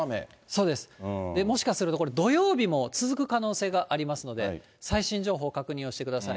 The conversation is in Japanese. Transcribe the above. そうです、もしかするとこれ、土曜日も続く可能性がありますので、最新情報、確認をしてください。